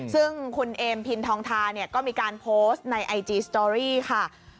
ซึ่งคุณเอมพินทองทาเนี่ยก็มีการโพสต์ในไอจีสตอรี่ค่ะ